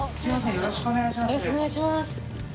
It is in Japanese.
よろしくお願いします！